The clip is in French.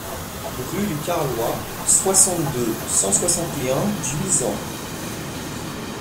Rue du Carloy, soixante-deux, cent soixante et un Duisans